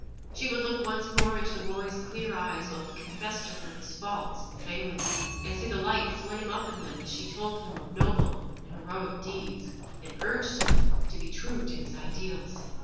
She would look once more into the boy's clear eyes while he confessed to her his faults and failings, and see the light flame up in them as she told him of noble and heroic deeds, and urged him to be true to his ideals.